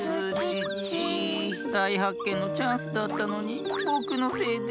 だいはっけんのチャンスだったのにぼくのせいで。